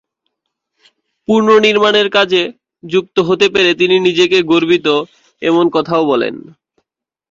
পুনর্নির্মাণের কাজে যুক্ত হতে পেরে তিনি নিজে গর্বিত, এমন কথাও বলেন।